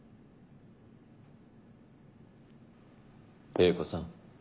英子さん。